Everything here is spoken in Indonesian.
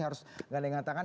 harus gandeng tangan